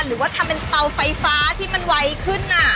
หรือว่าทำเป็นเตาไฟฟ้าที่มันไวขึ้น